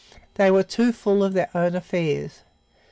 They were too full of their own affairs.